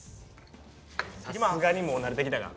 さすがにもう慣れてきたな